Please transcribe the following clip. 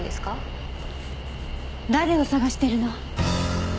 誰を捜しているの？